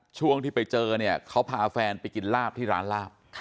ช่วงที่ไปเจอเนี่ยเขาพาแฟนไปกินลาบที่ร้านลาบ